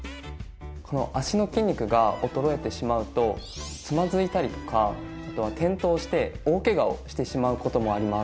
この脚の筋肉が衰えてしまうとつまずいたりとかあとは転倒して大ケガをしてしまう事もあります。